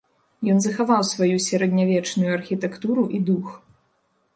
Ён захаваў сваю сярэднявечную архітэктуру і дух.